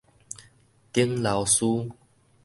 頂朥胥